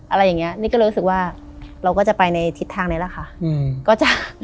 อะไรอย่างนี้นี่ก็รู้สึกว่าเราก็จะไปในทิศทางนี้แหละค่ะ